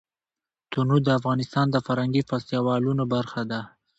تنوع د افغانستان د فرهنګي فستیوالونو برخه ده.